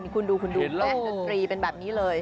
คุณดูแปลกดนตรีเป็นแบบนี้เลย